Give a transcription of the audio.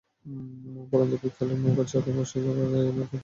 পড়ন্ত বিকেলে নৌকার ছাদে বসে হাওয়া গায়ে মেখে পৌঁছলাম বালুখালী নামক জায়গায়।